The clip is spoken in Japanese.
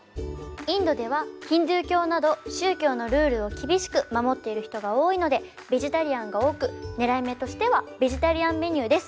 インドではヒンドゥー教など宗教のルールを厳しく守っている人が多いのでベジタリアンが多く狙い目としてはベジタリアンメニューです。